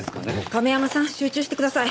亀山さん集中してください。